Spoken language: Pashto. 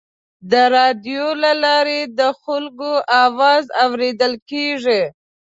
د راډیو له لارې د خلکو اواز اورېدل کېږي.